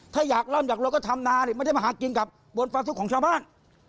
ถ้าอยากร่ำอยากรวยก็ทำนานี่ไม่ได้มาหากินกับบนฟาทุกข์ของชาวบ้าน